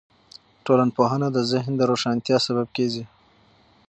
ټولنپوهنه د ذهن د روښانتیا سبب کیږي.